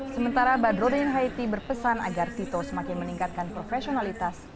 sementara badrodin haiti berpesan agar tito semakin meningkatkan profesionalitas